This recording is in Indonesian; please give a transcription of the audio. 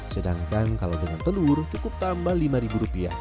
sedangkan kalau dengan telur cukup tambah rp lima